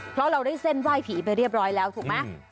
เพราะเราได้เส้นไหว้ผีไปเรียบร้อยแล้วถูกไหม